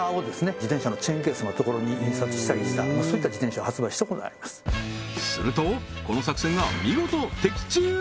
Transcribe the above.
自転車のチェーンケースのところに印刷したりしたそういった自転車を発売したことがありますするとこの作戦が見事的中！